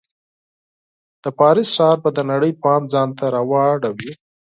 د پاریس ښار به د نړۍ پام ځان ته راواړوي.